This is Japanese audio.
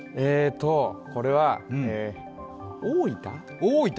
これは大分？